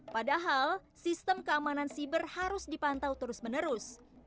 padahal sistem keamanan siber harus dipantau terus menerus